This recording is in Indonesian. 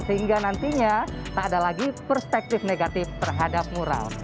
sehingga nantinya tak ada lagi perspektif negatif terhadap mural